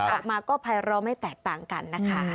ออกมาก็ภายเราไม่แตกต่างกันนะคะ